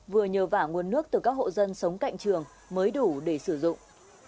vừa nhờ vả nguồn nước từ các hộ dân sống cạnh trường mới đủ để sử dụng